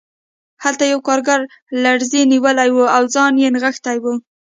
هلته یو کارګر لړزې نیولی و او ځان یې نغښتی و